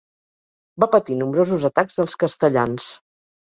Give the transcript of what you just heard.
Va patir nombrosos atacs dels castellans.